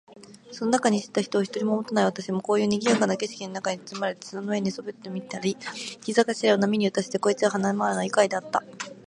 その中に知った人を一人ももたない私も、こういう賑（にぎ）やかな景色の中に裹（つつ）まれて、砂の上に寝そべってみたり、膝頭（ひざがしら）を波に打たしてそこいらを跳（は）ね廻（まわ）るのは愉快であった。